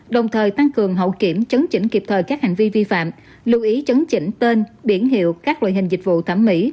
đồng thời tăng cường hậu kiểm chứng chỉnh kịp thời các hành vi vi phạm lưu ý chấn chỉnh tên biển hiệu các loại hình dịch vụ thẩm mỹ